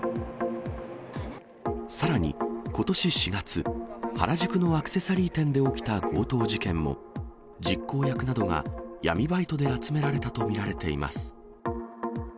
さらに、ことし４月、原宿のアクセサリー店で起きた強盗事件も、実行役などが闇バイトで集められたと見られています。